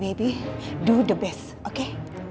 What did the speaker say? lakukan yang terbaik oke